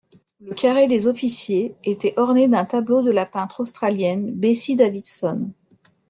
Le carré des officiers était orné d'un tableau de la peintre australienne Bessie Davidson.